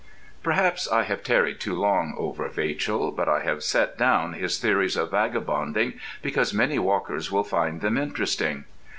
Perhaps I have tarried too long over Vachel; but I have set down his theories of vagabonding because many walkers will find them interesting.